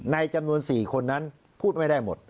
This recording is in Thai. ในจำนวน๔คนนั้นพูดไม่ได้หมด